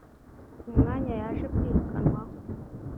umwanya yaje kwirukanwaho